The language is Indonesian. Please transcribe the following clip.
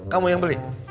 kamu yang beli